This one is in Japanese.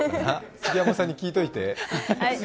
杉山さんに聞いておいて。